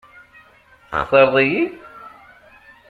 Textaṛeḍ-iyi?